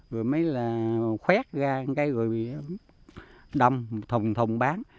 rồi mới là khoét ra cái rồi đâm thùng thùng bán